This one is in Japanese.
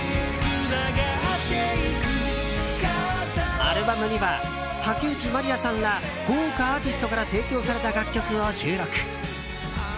アルバムには竹内まりやさんら豪華アーティストから提供された楽曲を収録。